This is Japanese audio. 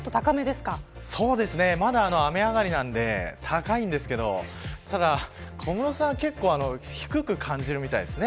雨上がりなので高いのですが小室さんは結構低く感じるみたいですね。